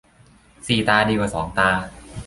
สี่ตาดีกว่าสองตา